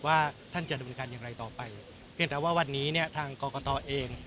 ว่าท่านจะดำเนินการอย่างไรต่อไปเพียงแต่ว่าวันนี้เนี่ยทางกรกตเอง